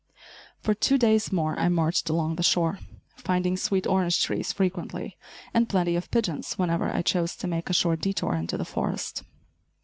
For two days more I marched along the shore, finding sweet orange trees frequently, and plenty of pigeons whenever I chose to make a short detour into the forest.